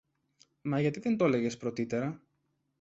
Μα γιατί δεν το 'λεγες πρωτύτερα;